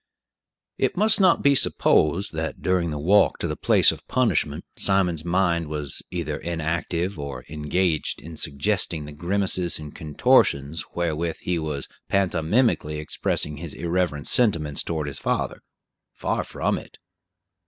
It must not be supposed that, during the walk to the place of punishment, Simon's mind was either inactive, or engaged in suggesting the grimaces and contortions wherewith he was pantomimically expressing his irreverent sentiments toward his father. Far from it.